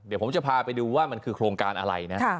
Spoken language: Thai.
เดี๋ยวผมจะพาไปดูว่ามันคือโครงการอะไรนะ